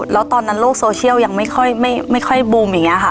แล้วตอนนั้นโลกโซเชียลยังไม่ค่อยบูมอย่างนี้ค่ะ